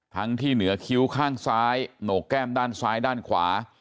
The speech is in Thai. ที่เหนือคิ้วข้างซ้ายโหนกแก้มด้านซ้ายด้านขวา